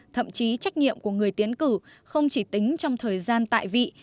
thậm chí trách nhiệm của người tiến cử không chỉ tính trong thời gian tại vị